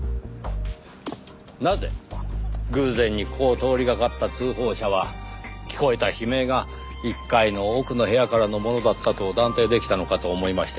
なぜ偶然にここを通りかかった通報者は聞こえた悲鳴が１階の奥の部屋からのものだったと断定出来たのかと思いましてね。